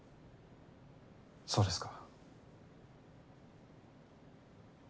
そうですか。